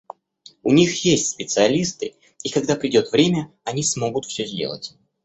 У них есть специалисты, и, когда придет время, они смогут все сделать.